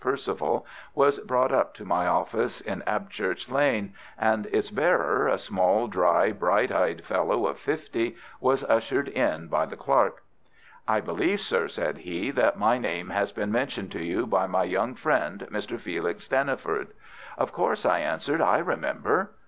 Perceval was brought up to my office in Abchurch Lane, and its bearer, a small dry, bright eyed fellow of fifty, was ushered in by the clerk. "I believe, sir," said he, "that my name has been mentioned to you by my young friend, Mr. Felix Stanniford?" "Of course," I answered, "I remember."